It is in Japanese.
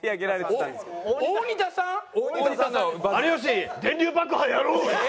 「有吉電流爆破やろう」。